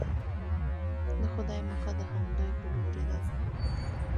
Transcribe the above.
د خدای مخه د همدوی په لورې ده.